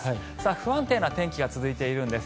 不安定な天気が続いているんです。